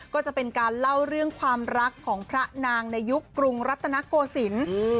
ก็จะเป็นการเล่าเรื่องความรักของพระนางในยุคกรุงรัตนโกศิลป์